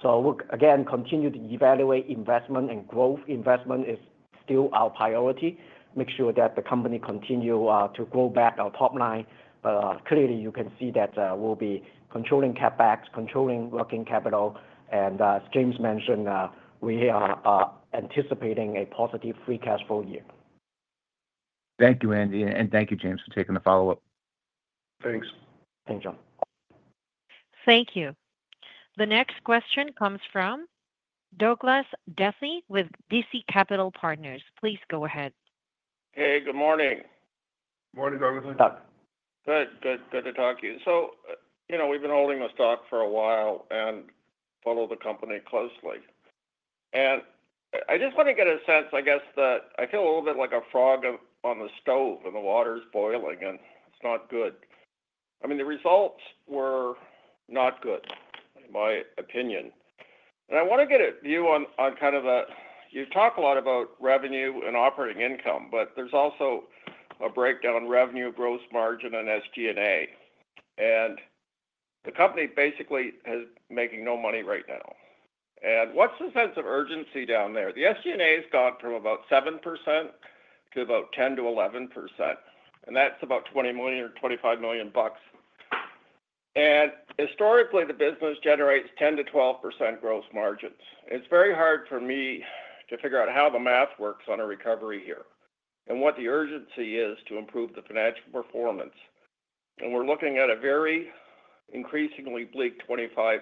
We'll, again, continue to evaluate investment and growth. Investment is still our priority. Make sure that the company continues to grow back our top line. Clearly, you can see that we'll be controlling CapEx, controlling working capital. As James mentioned, we are anticipating a positive free cash flow year. Thank you, Andy. Thank you, James, for taking the follow-up. Thanks. Thank you, John. Thank you. The next question comes from Douglas Dethy with DC Capital Partners. Please go ahead. Hey, good morning. Good morning, Douglas. Good. Good to talk to you. We've been holding this talk for a while and follow the company closely. I just want to get a sense, I guess, that I feel a little bit like a frog on the stove and the water's boiling, and it's not good. I mean, the results were not good, in my opinion. I want to get a view on kind of the—you talk a lot about revenue and operating income, but there's also a breakdown: revenue, gross margin, and SG&A. The company basically is making no money right now. What's the sense of urgency down there? The SG&A has gone from about 7% to about 10%-11%. That's about $20 million or $25 million bucks. Historically, the business generates 10%-12% gross margins. It's very hard for me to figure out how the math works on a recovery here and what the urgency is to improve the financial performance. We're looking at a very increasingly bleak 2025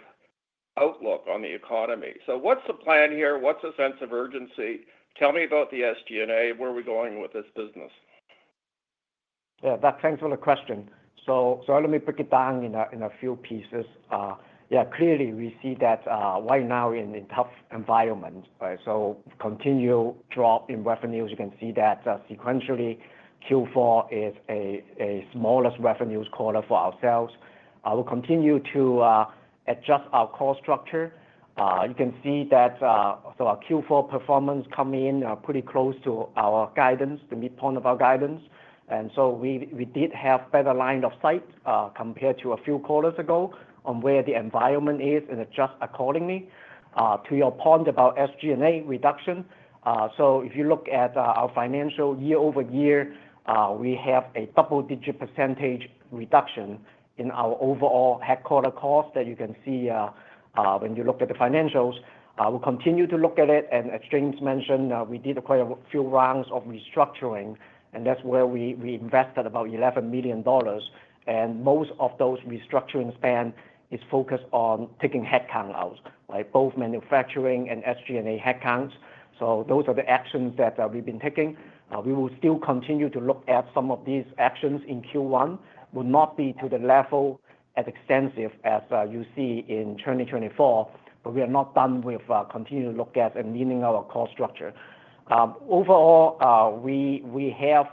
outlook on the economy. What's the plan here? What's the sense of urgency? Tell me about the SG&A. Where are we going with this business? Yeah. That's a thankful question. Let me break it down in a few pieces. Yeah. Clearly, we see that right now we're in a tough environment, right? Continual drop in revenues. You can see that sequentially, Q4 is the smallest revenues quarter for ourselves. We'll continue to adjust our cost structure. You can see that our Q4 performance coming in pretty close to our guidance, the midpoint of our guidance. We did have a better line of sight compared to a few quarters ago on where the environment is and adjust accordingly. To your point about SG&A reduction, if you look at our financial year-over-year, we have a double-digit percentage reduction in our overall headquarter cost that you can see when you look at the financials. We'll continue to look at it. As James mentioned, we did quite a few rounds of restructuring, and that's where we invested about $11 million. Most of those restructuring spans are focused on taking headcount out, right? Both manufacturing and SG&A headcounts. Those are the actions that we've been taking. We will still continue to look at some of these actions in Q1. It will not be to the level as extensive as you see in 2024, but we are not done with continuing to look at and leaning our cost structure. Overall, we have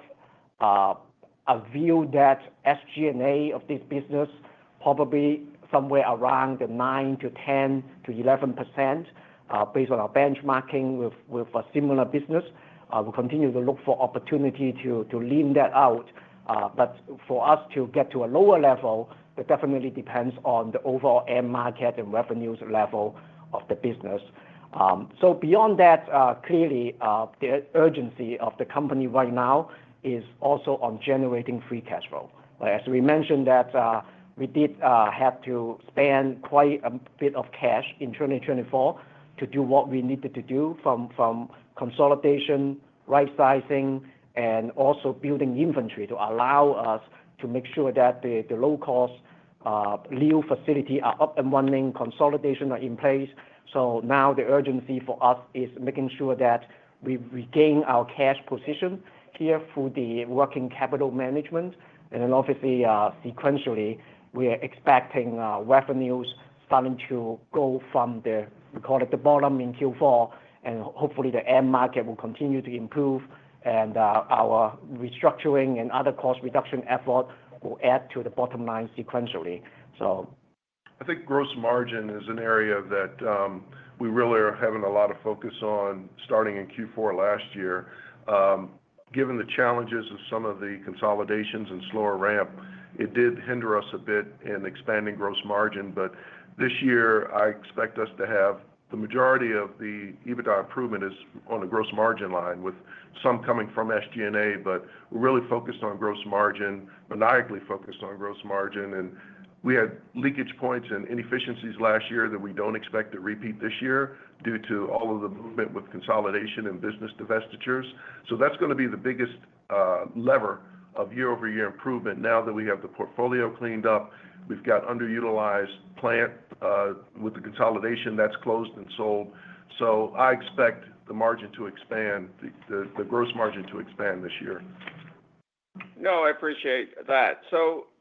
a view that SG&A of this business is probably somewhere around the 9%-10%-11% based on our benchmarking with a similar business. We'll continue to look for opportunity to lean that out. For us to get to a lower level, it definitely depends on the overall end market and revenues level of the business. Beyond that, clearly, the urgency of the company right now is also on generating free cash flow. As we mentioned, we did have to spend quite a bit of cash in 2024 to do what we needed to do from consolidation, right-sizing, and also building inventory to allow us to make sure that the low-cost new facilities are up and running, consolidations are in place. Now the urgency for us is making sure that we regain our cash position here for the working capital management. Obviously, sequentially, we are expecting revenues starting to go from the, we call it the bottom in Q4, and hopefully, the end market will continue to improve. Our restructuring and other cost reduction efforts will add to the bottom line sequentially. I think gross margin is an area that we really are having a lot of focus on starting in Q4 last year. Given the challenges of some of the consolidations and slower ramp, it did hinder us a bit in expanding gross margin. This year, I expect us to have the majority of the EBITDA improvement is on the gross margin line with some coming from SG&A, but we're really focused on gross margin, maniacally focused on gross margin. We had leakage points and inefficiencies last year that we don't expect to repeat this year due to all of the movement with consolidation and business divestitures. That is going to be the biggest lever of year-over-year improvement now that we have the portfolio cleaned up. We've got underutilized plant with the consolidation that's closed and sold. I expect the margin to expand, the gross margin to expand this year. No, I appreciate that.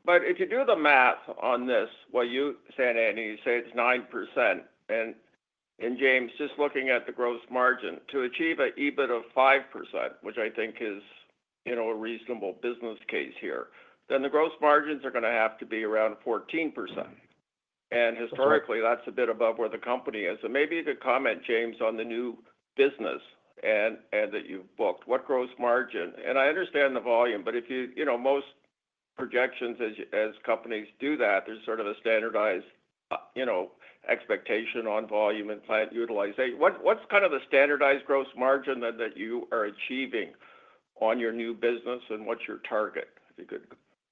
If you do the math on this, what you said, Andy, you say it's 9%. James, just looking at the gross margin, to achieve an EBIT of 5%, which I think is a reasonable business case here, then the gross margins are going to have to be around 14%. Historically, that's a bit above where the company is. Maybe you could comment, James, on the new business that you've booked. What gross margin? I understand the volume, but if you look at most projections, as companies do that, there's sort of a standardized expectation on volume and plant utilization. What's kind of the standardized gross margin that you are achieving on your new business, and what's your target? If you could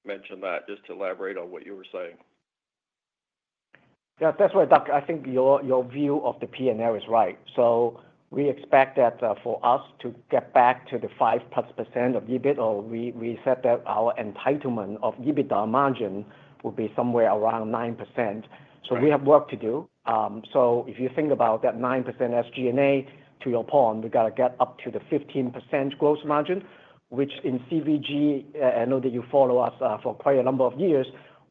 mention that just to elaborate on what you were saying. Yeah. That's right, Doug. I think your view of the P&L is right. We expect that for us to get back to the 5+% of EBIT, or we said that our entitlement of EBITDA margin will be somewhere around 9%. We have work to do. If you think about that 9% SG&A, to your point, we've got to get up to the 15% gross margin, which in CVG, I know that you follow us for quite a number of years,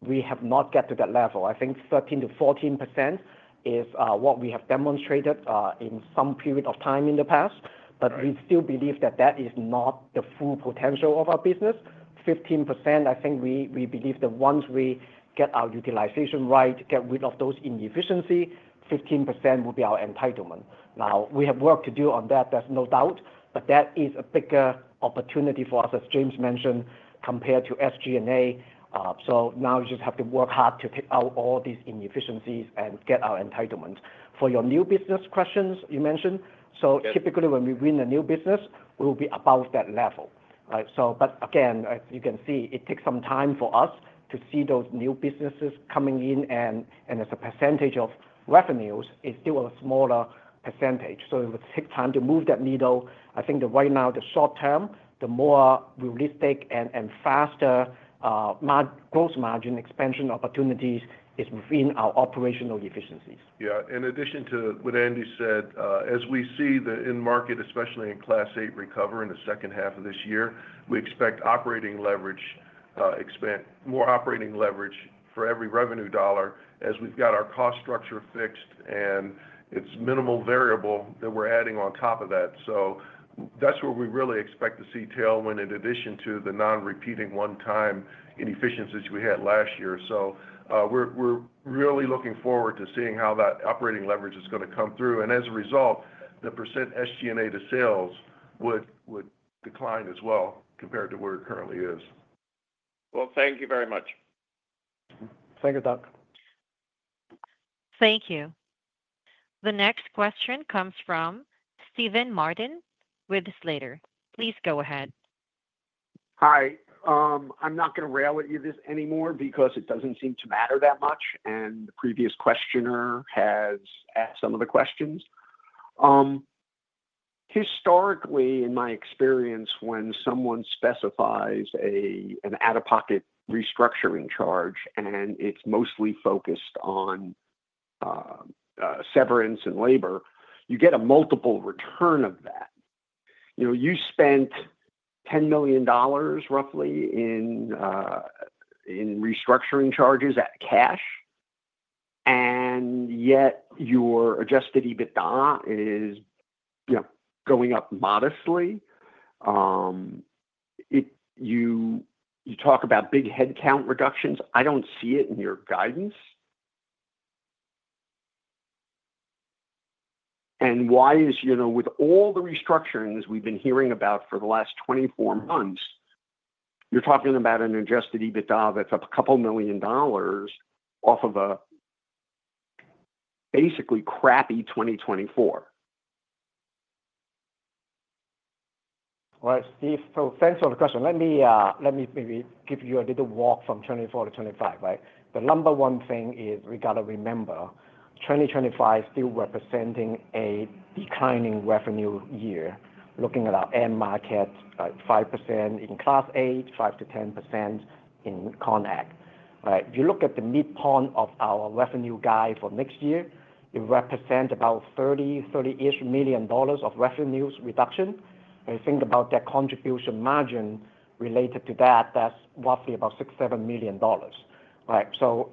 we have not got to that level. I think 13%-14% is what we have demonstrated in some period of time in the past. We still believe that that is not the full potential of our business. 15%, I think we believe that once we get our utilization right, get rid of those inefficiencies, 15% will be our entitlement. Now, we have work to do on that. There is no doubt. That is a bigger opportunity for us, as James mentioned, compared to SG&A. Now we just have to work hard to take out all these inefficiencies and get our entitlement. For your new business questions you mentioned, typically when we win a new business, we will be above that level, right? Again, as you can see, it takes some time for us to see those new businesses coming in. As a percentage of revenues, it is still a smaller percentage. It will take time to move that needle. I think that right now, in the short term, the more realistic and faster gross margin expansion opportunities are within our operational efficiencies. Yeah. In addition to what Andy said, as we see the end market, especially in Class 8, recover in the second half of this year, we expect operating leverage, more operating leverage for every revenue dollar as we've got our cost structure fixed and it's minimal variable that we're adding on top of that. That is where we really expect to see tailwind in addition to the non-repeating one-time inefficiencies we had last year. We are really looking forward to seeing how that operating leverage is going to come through. As a result, the % SG&A to sales would decline as well compared to where it currently is. Thank you very much. Thank you, Doug. Thank you. The next question comes from Steven Martin with Slater. Please go ahead. Hi. I'm not going to rally you this anymore because it doesn't seem to matter that much. The previous questioner has asked some of the questions. Historically, in my experience, when someone specifies an out-of-pocket restructuring charge and it's mostly focused on severance and labor, you get a multiple return of that. You spent $10 million, roughly, in restructuring charges at cash, and yet your adjusted EBITDA is going up modestly. You talk about big headcount reductions. I don't see it in your guidance. Why is with all the restructurings we've been hearing about for the last 24 months, you're talking about an adjusted EBITDA that's a couple million dollars off of a basically crappy 2024? All right, Steve. Thanks for the question. Let me maybe give you a little walk from 2024 to 2025, right? The number one thing is we got to remember 2025 is still representing a declining revenue year, looking at our end market, 5% in Class 8, 5%-10% in ConAg, right? If you look at the midpoint of our revenue guide for next year, it represents about $30-ish million of revenues reduction. If you think about that contribution margin related to that, that's roughly about $6 million-$7 million, right?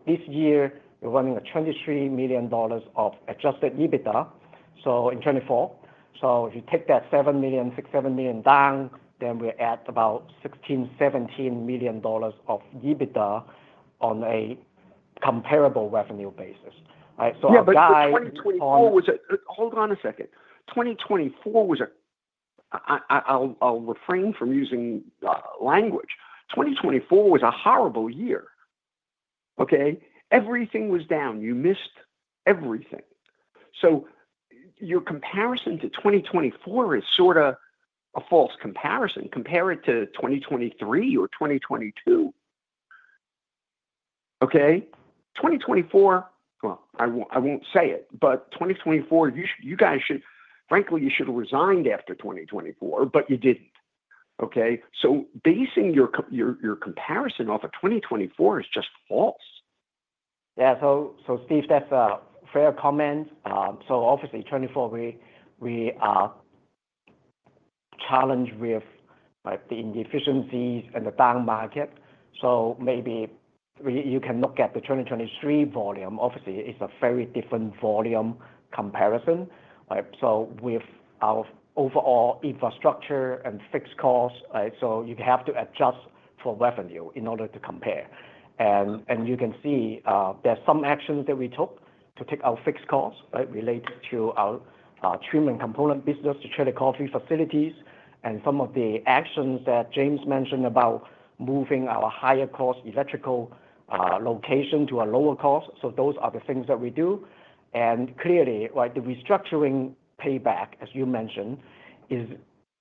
This year, we're running a $23 million of adjusted EBITDA in 2024. If you take that $6 million-$7 million down, then we're at about $16 million-$17 million of EBITDA on a comparable revenue basis, right? Our guide. Yeah, but hold on a second. 2024 was a—I'll refrain from using language. 2024 was a horrible year, okay? Everything was down. You missed everything. Your comparison to 2024 is sort of a false comparison. Compare it to 2023 or 2022, okay? 2024, I won't say it, but 2024, you guys should—frankly, you should have resigned after 2024, but you didn't, okay? Basing your comparison off of 2024 is just false. Yeah. Steve, that's a fair comment. Obviously, 2024, we are challenged with the inefficiencies and the down market. Maybe you can look at the 2023 volume. Obviously, it's a very different volume comparison, right? With our overall infrastructure and fixed costs, right? You have to adjust for revenue in order to compare. You can see there's some actions that we took to take our fixed costs, right, related to our trim component business, the Chillicothe facilities, and some of the actions that James mentioned about moving our higher-cost electrical location to a lower cost. Those are the things that we do. Clearly, the restructuring payback, as you mentioned, is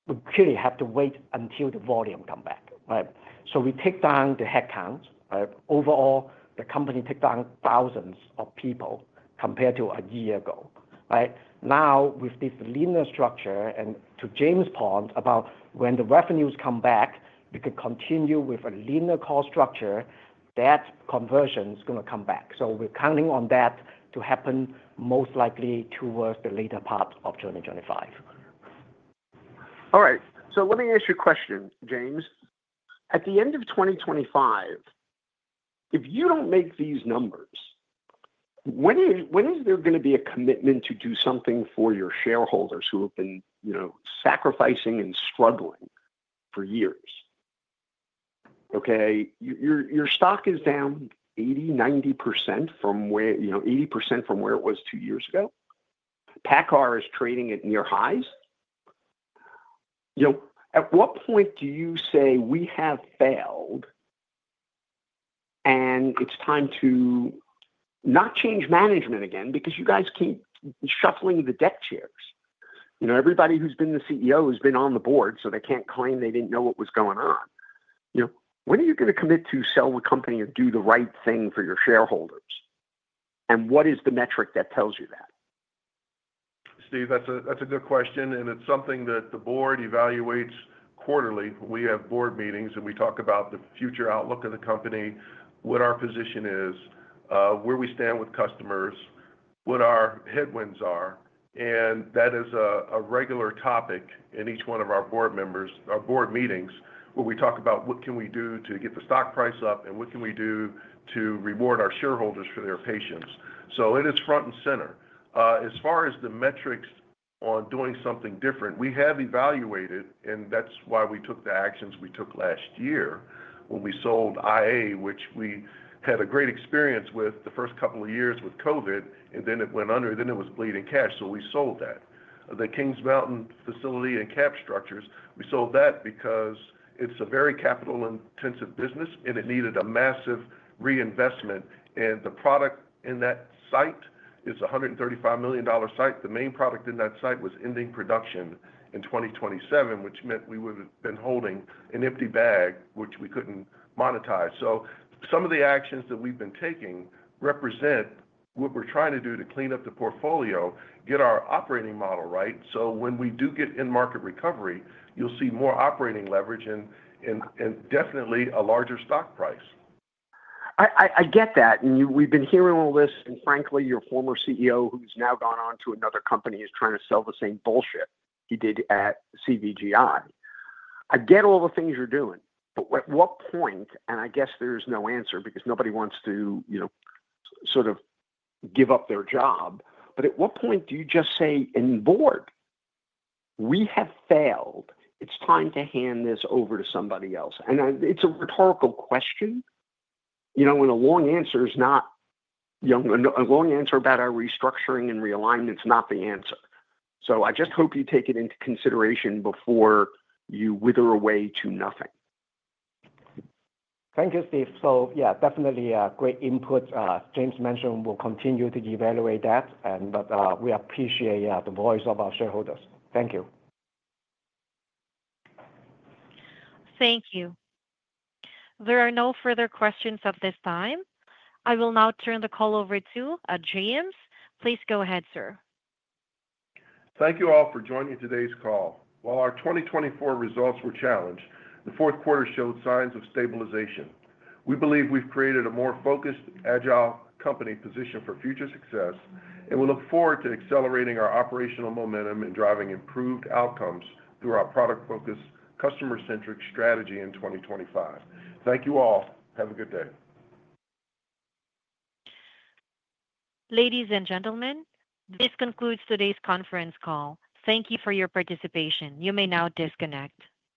we clearly have to wait until the volume comes back, right? We take down the headcounts, right? Overall, the company took down thousands of people compared to a year ago, right? Now, with this linear structure, and to James' point about when the revenues come back, we could continue with a linear cost structure, that conversion is going to come back. So we're counting on that to happen most likely towards the later part of 2025. All right. Let me ask you a question, James. At the end of 2025, if you do not make these numbers, when is there going to be a commitment to do something for your shareholders who have been sacrificing and struggling for years, okay? Your stock is down 80%-90% from where—80% from where it was two years ago. PACCAR is trading at near highs. At what point do you say we have failed and it is time to not change management again because you guys keep shuffling the deck chairs? Everybody who has been the CEO has been on the board, so they cannot claim they did not know what was going on. When are you going to commit to sell the company and do the right thing for your shareholders? What is the metric that tells you that? Steve, that's a good question. It's something that the board evaluates quarterly. We have board meetings, and we talk about the future outlook of the company, what our position is, where we stand with customers, what our headwinds are. That is a regular topic in each one of our board meetings, where we talk about what can we do to get the stock price up and what can we do to reward our shareholders for their patience. It is front and center. As far as the metrics on doing something different, we have evaluated, and that's why we took the actions we took last year when we sold Industrial Automation, which we had a great experience with the first couple of years with COVID, and then it went under, then it was bleeding cash. We sold that. The Kings Mountain facility and Cab Structures, we sold that because it's a very capital-intensive business, and it needed a massive reinvestment. The product in that site is a $135 million site. The main product in that site was ending production in 2027, which meant we would have been holding an empty bag, which we couldn't monetize. Some of the actions that we've been taking represent what we're trying to do to clean up the portfolio, get our operating model right. When we do get end market recovery, you'll see more operating leverage and definitely a larger stock price. I get that. We've been hearing all this. Frankly, your former CEO, who's now gone on to another company, is trying to sell the same bullshit he did at CVG. I get all the things you're doing. At what point—I guess there is no answer because nobody wants to sort of give up their job—at what point do you just say in board, "We have failed. It's time to hand this over to somebody else"? It's a rhetorical question. A long answer is not—a long answer about our restructuring and realignment is not the answer. I just hope you take it into consideration before you wither away to nothing. Thank you, Steve. Yeah, definitely great input. James mentioned we'll continue to evaluate that, but we appreciate the voice of our shareholders. Thank you. Thank you. There are no further questions at this time. I will now turn the call over to James. Please go ahead, sir. Thank you all for joining today's call. While our 2024 results were challenged, Q4 showed signs of stabilization. We believe we've created a more focused, agile company positioned for future success, and we look forward to accelerating our operational momentum and driving improved outcomes through our product-focused, customer-centric strategy in 2025. Thank you all. Have a good day. Ladies and gentlemen, this concludes today's conference call. Thank you for your participation. You may now disconnect.